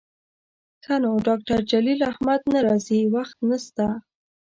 ښه نو ډاکتر جلیل احمد نه راځي، وخت نسته